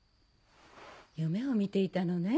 夢を見ていたのね。